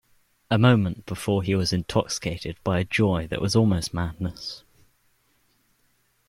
A moment before he was intoxicated by a joy that was almost madness.